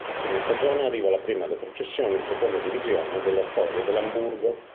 A fine stagione arriva la prima retrocessione in seconda divisione della storia dell'Amburgo.